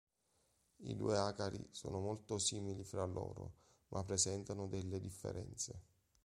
I due acari sono molto simili fra loro, ma presentano delle differenze.